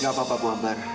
gak apa apa bu ambar